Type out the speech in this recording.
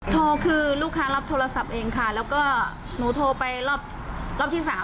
โทรคือลูกค้ารับโทรศัพท์เองค่ะแล้วก็หนูโทรไปรอบที่๓